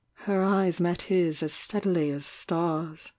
fter eyes met his as steadily as stars.